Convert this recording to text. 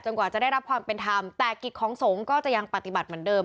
กว่าจะได้รับความเป็นธรรมแต่กิจของสงฆ์ก็จะยังปฏิบัติเหมือนเดิม